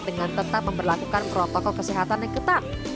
dengan tetap memperlakukan protokol kesehatan yang ketat